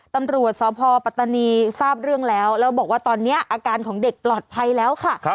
ตำรวจสพปัตตานีทราบเรื่องแล้วแล้วบอกว่าตอนนี้อาการของเด็กปลอดภัยแล้วค่ะ